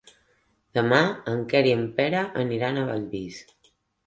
Demà en Quer i en Pere aniran a Bellvís.